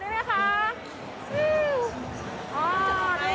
นี่แหละค่ะ